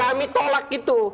kami tolak itu